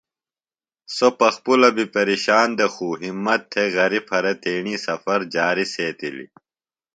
سوۡ پخپُلہ بیۡ پیرشان دےۡ خوۡ ہمت تھےۡ غری پھرےۡ تیݨی سفر جاری سیتِلیۡ۔